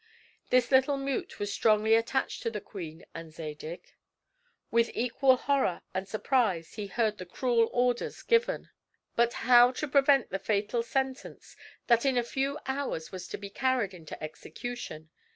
This little mute was strongly attached to the queen and Zadig. With equal horror and surprise he heard the cruel orders given. But how to prevent the fatal sentence that in a few hours was to be carried into execution!